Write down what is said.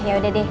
ya udah deh